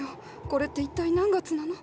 これって一体何月なの？